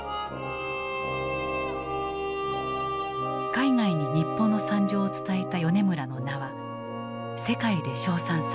海外に日本の惨状を伝えた米村の名は世界で称賛された。